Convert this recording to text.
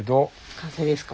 完成ですか？